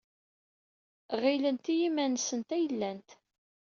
Ɣilent i yiman-nsent ay llant.